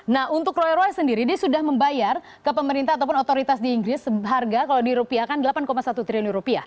nah untuk roy roy sendiri dia sudah membayar ke pemerintah ataupun otoritas di inggris harga kalau dirupiahkan rp delapan satu triliun